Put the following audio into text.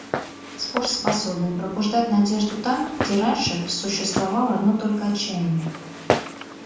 Спорт способен пробуждать надежду там, где раньше существовало одно только отчаяние.